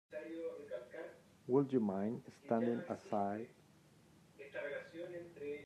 Would you mind standing aside?